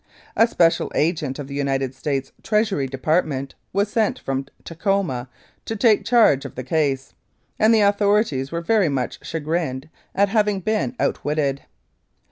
A special agent of the United States Treasury Department was sent from Tacoma to take charge of the case, and the authorities were very much chagrined at having been outwitted.